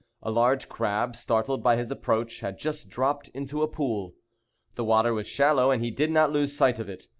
A large crab, startled by his approach, had just dropped into a pool. The water was shallow, and he did not lose sight of it.